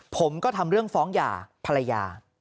ผมก็ทำเรื่องฟ้องหย่าภรรยา